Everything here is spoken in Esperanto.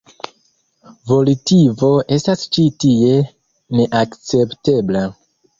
Volitivo estas ĉi tie neakceptebla.